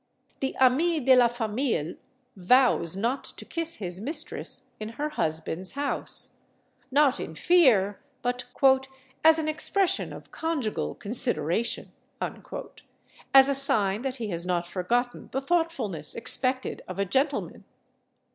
"The ami de la famille vows not to kiss his mistress in her husband's house"—not in fear, but "as an expression of conjugal consideration," as a sign that he has not forgotten the thoughtfulness expected of a gentleman.